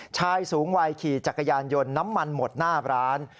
ชายสูงวัยขี่จักรยานยนต์น้ำมันหมดหน้าร้าน